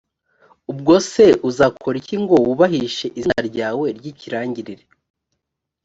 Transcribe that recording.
ubwo se uzakora iki ngo wubahishe izina ryawe ry’ikirangirire?